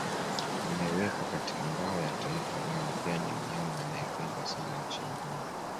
Amewekwa katika ngao ya taifa lao pia ni mnyama anayependwa sana nchini humo